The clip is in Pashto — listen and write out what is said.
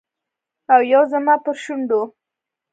او یو زما پر شونډو